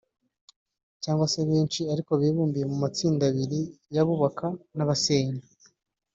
cyangwa se benshi ariko bibumbiye mu matsinda abiri y’abubaka n’abasenya